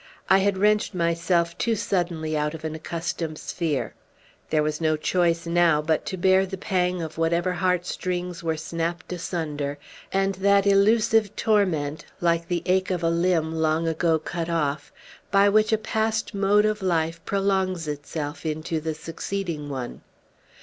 I had wrenched myself too suddenly out of an accustomed sphere. There was no choice, now, but to bear the pang of whatever heartstrings were snapt asunder, and that illusive torment (like the ache of a limb long ago cut off) by which a past mode of life prolongs itself into the succeeding one.